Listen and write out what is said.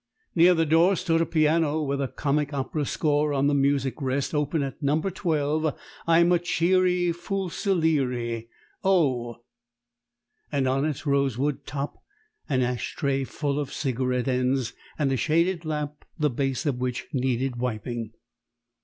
Near the door stood a piano with a comic opera score on the music rest, open at No. 12, "I'm a Cheery Fusileery O!" and on its rosewood top an ash tray full of cigarette ends and a shaded lamp the base of which needed wiping.